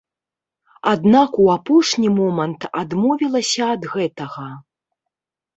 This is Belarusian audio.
Аднак у апошні момант адмовілася ад гэтага.